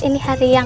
ini hari yang